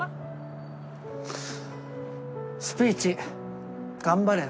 スピーチ頑張れよ。